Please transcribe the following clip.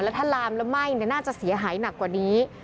ถ้าลามแล้วไหม้น่าจะเสียหายหนักกว่านี้